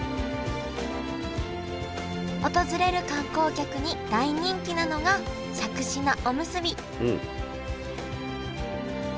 訪れる観光客に大人気なのがしゃくし菜おむすび